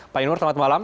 pak yanwar selamat malam